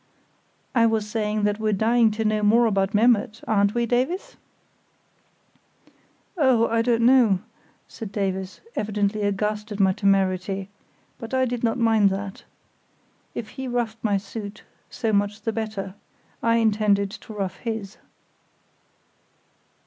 "I was saying that we're dying to know more about Memmert, aren't we, Davies?" "Oh, I don't know," said Davies, evidently aghast at my temerity; but I did not mind that. If he roughed my suit, so much the better; I intended to rough his.